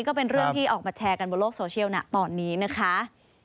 ก็เป็นเรื่องที่ออกมาแชร์กันบนโลกโซเชียลนะตอนนี้นะคะ